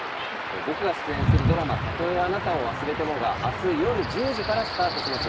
僕が出演するドラマ、「たとえあなたを忘れても」が明日よる１０時からスタートします。